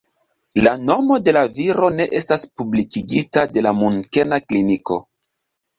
La nomo de la viro ne estas publikigita de la Munkena kliniko.